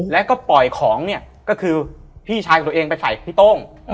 แล้วก็ปล่อยของเนี่ยก็คือพี่ชายของตัวเองไปใส่พี่โต้ง